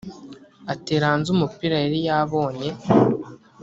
atera hanze umupira yari abonye